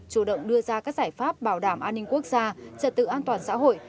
chủ động đưa ra các giải pháp bảo đảm an ninh quốc gia trật tự an toàn xã hội